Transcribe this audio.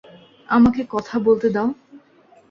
আমাকে কথা বলতে দাও?